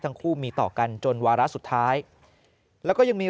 ทั้งคู่มีต่อกันจนวาระสุดท้ายแล้วก็ยังมี